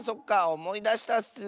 おもいだしたッス。